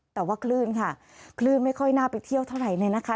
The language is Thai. แต่ว่าคลื่นค่ะคลื่นไม่ค่อยน่าไปเที่ยวเท่าไหร่เลยนะคะ